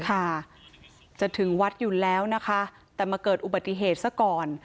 ค่ะจะถึงวัดอยู่แล้วนะคะแต่มาเกิดอุบัติเหตุซะก่อน